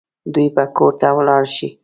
دوی به کور ته ولاړ شي